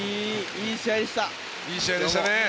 いい試合でしたね。